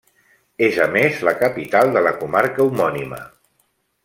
És a més, la capital de la comarca homònima.